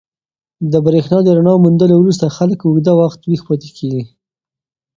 د برېښنا د رڼا موندلو وروسته خلک اوږده وخت ویښ پاتې کېږي.